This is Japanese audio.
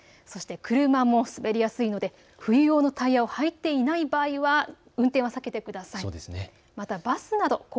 そして車も滑りやすいので冬用のタイヤをはいていない場合は運転は避けてください。